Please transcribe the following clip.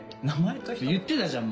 言ってたじゃん